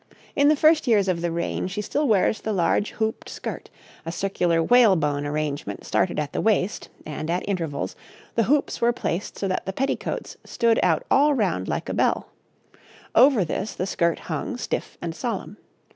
In the first years of the reign she still wears the large hoop skirt, a circular whalebone arrangement started at the waist, and, at intervals, the hoops were placed so that the petticoat stood out all round like a bell; over this the skirt hung stiff and solemn.